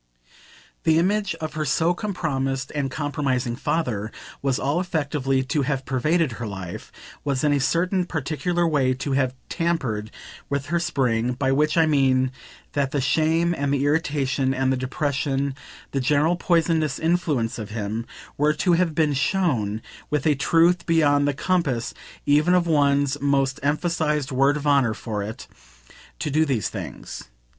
The image of her so compromised and compromising father was all effectively to have pervaded her life, was in a certain particular way to have tampered with her spring; by which I mean that the shame and the irritation and the depression, the general poisonous influence of him, were to have been SHOWN, with a truth beyond the compass even of one's most emphasised "word of honour" for it, to do these things.